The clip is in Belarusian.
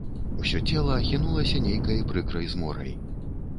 Усё цела ахінулася нейкай прыкрай зморай.